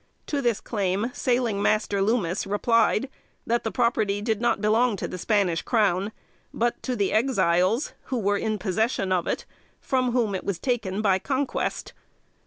To this claim Sailing Master Loomis replied, that the property did not belong to the Spanish crown, but to the Exiles, who were in possession of it, from whom it was taken by conquest.